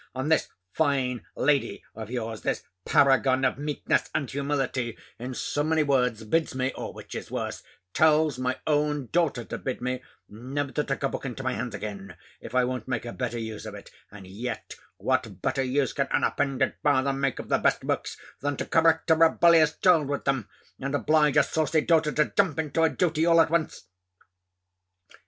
And, this fine lady of your's, this paragon of meekness and humility, in so many words, bids me, or, which is worse, tells my own daughter to bid me, never to take a book into my hands again, if I won't make a better use of it: and yet, what better use can an offended father make of the best books, than to correct a rebellious child with them, and oblige a saucy daughter to jump into her duty all at once?